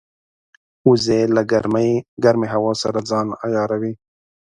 وزې له ګرمې هوا سره ځان عیاروي